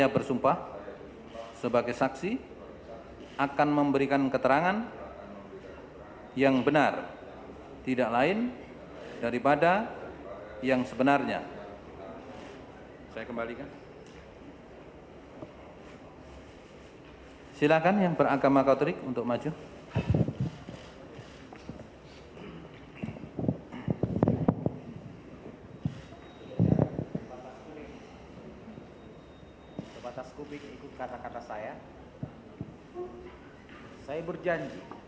satu bulan februari tahun dua ribu enam belas